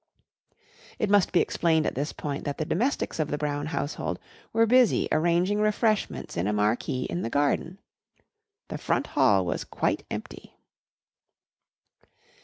It must be explained at this point that the domestics of the Brown household were busy arranging refreshments in a marquee in the garden. The front hall was quite empty.